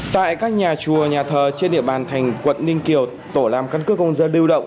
tại các nhà chùa nhà thờ trên địa bàn thành quận ninh kiều tổ làm căn cước công dân lưu động